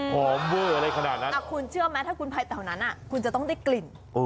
หอมเวอร์อะไรขนาดนั้นคุณเชื่อไหมถ้าคุณไปแถวนั้นคุณจะต้องได้กลิ่น